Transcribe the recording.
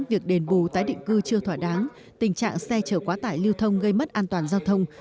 việc đền bù tái định cư chưa thỏa đáng tình trạng xe chở quá tải lưu thông gây mất an toàn giao thông